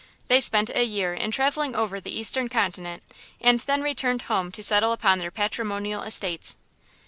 They spent a year in traveling over the eastern continent, and then returned home to settle upon their patrimonial estates.